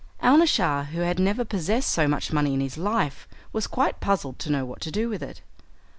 Alnaschar, who had never possessed so much money in his life, was quite puzzled to know what to do with it.